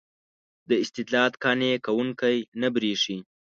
دا استدلال قانع کوونکی نه برېښي.